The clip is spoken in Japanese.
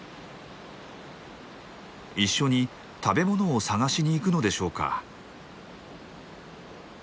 一緒に食べ物を探しにいくのでしょうか？